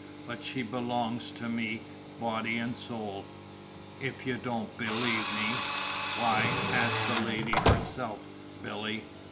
But she belongs to me, body and soul. If you don't believe me why, ask the lady herself, Billy!"